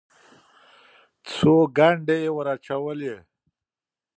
خو ګنډې یې ور اچولې.